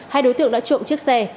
hai đối tượng đã trộm chiếc xe